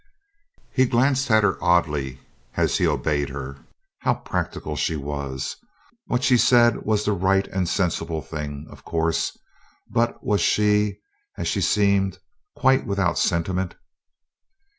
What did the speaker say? He glanced at her oddly as he obeyed her. How practical she was! What she said was the right and sensible thing, of course, but was she, as she seemed, quite without sentiment?